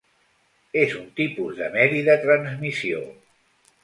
És un tipus de medi de transmissió.